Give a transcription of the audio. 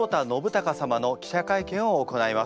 貴様の記者会見を行います。